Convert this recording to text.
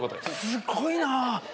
すごいな。